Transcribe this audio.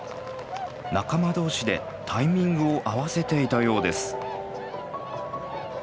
仲間同士でタイミングを合わせていたようです。